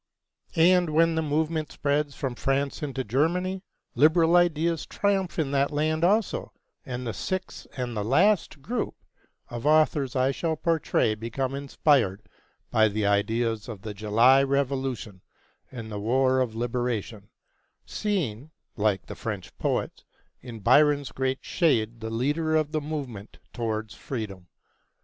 And when the movement spreads from France into Germany, liberal ideas triumph in that land also, and the sixth and last group of authors I shall portray became inspired by the ideas of the July Revolution and the War of Liberation, seeing, like the French poets, in Byron's great shade the leader of the movement towards freedom.